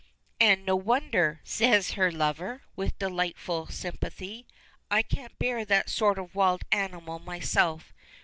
"And no wonder," says her lover, with delightful sympathy. "I can't bear that sort of wild animal myself.